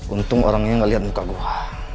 untung orangnya gak liat muka gue